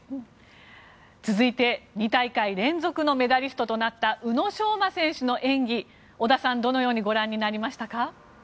続いて、２大会連続のメダリストとなった宇野昌磨選手の演技を織田さんはどのようにご覧になりましたか？